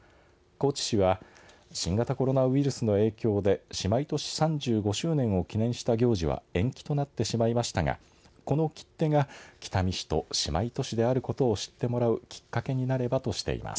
高知市は新型コロナウイルスの影響で姉妹都市３５周年を記念した行事は延期となってしまいましたがこの切手が北見市と姉妹都市であることを知ってもらうきっかけになればとしています。